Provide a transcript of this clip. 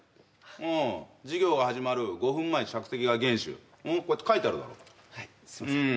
うん授業が始まる５分前着席が厳守こうやって書いてあるだろはいすいません